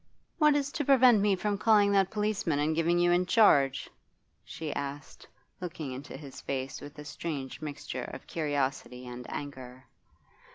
'What is to prevent me from calling that policeman and giving you in charge?' she asked, looking into his face with a strange mixture of curiosity and anger.